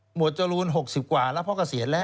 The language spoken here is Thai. หมวดจรูน๖๐กว่าแล้วเพราะเกษียณแหละ